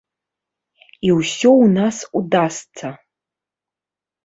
І ўсё ў нас удасца.